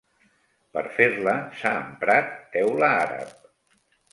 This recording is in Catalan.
Per fer-la s'ha emprat teula àrab.